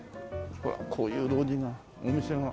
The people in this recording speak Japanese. ほらこういう路地がお店が。